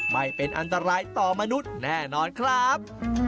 ไม่เป็นอันตรายต่อมนุษย์แน่นอนครับ